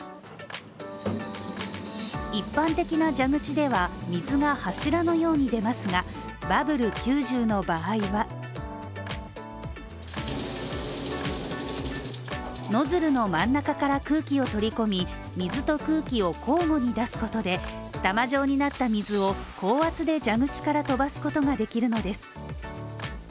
一般的な蛇口では水が柱のように出ますが、Ｂｕｂｂｌｅ９０の場合はノズルの真ん中から空気を取り込み、水と空気を交互に出すことで玉状になった水を高圧で蛇口から飛ばすことができるのです。